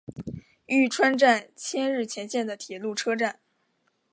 玉川站千日前线的铁路车站。